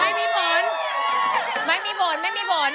ไม่มีผลไม่มีบ่นไม่มีผล